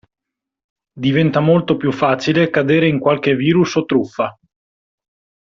Diventa molto più facile cadere in qualche virus o truffa.